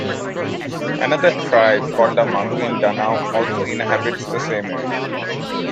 Another tribe called the Maguindanao also inhabits the same area.